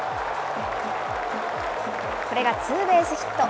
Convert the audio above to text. これがツーベースヒット。